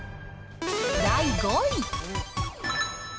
第５位。